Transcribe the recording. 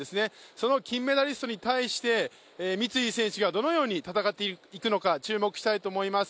その金メダリストに対して三井選手がどのように戦っていくのか注目していきたいと思います。